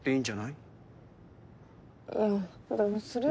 いやでもそれが。